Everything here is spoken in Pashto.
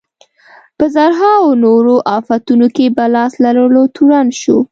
په زرهاوو نورو افتونو کې په لاس لرلو تورن شو.